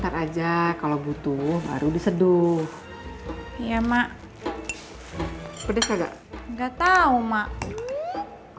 enak aja kalau butuh baru diseduh iya mak pedas enggak enggak tahu mak